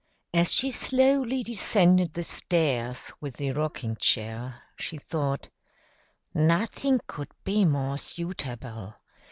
As she slowly descended the stairs with the rocking chair, she thought, "Nothing could be more suiterble.